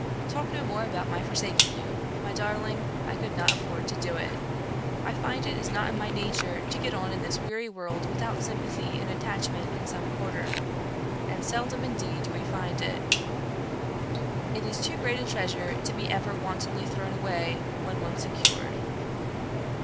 Talk no more about my forsaking you; my darling, I could not afford to do it. I find it is not in my nature to get on in this weary world without sympathy and attachment in some quarter; and seldom indeed do we find it. It is too great a treasure to be ever wantonly thrown away when once secured."